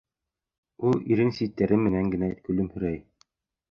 Ул ирен ситтәре менән генә көлөмһөрәй.